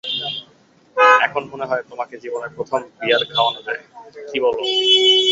এখন মনে হয় তোমাকে জীবনে প্রথম বিয়ার খাওয়ানো যায়, কী বলো?